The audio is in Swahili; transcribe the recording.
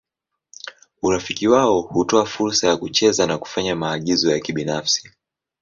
Urafiki wao hutoa fursa ya kucheza na kufanya maagizo ya kibinafsi.